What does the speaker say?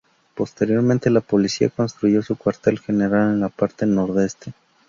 Posteriormente, la policía construyó su cuartel general en la parte nordeste.